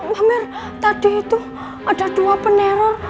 pamer tadi itu ada dua peneror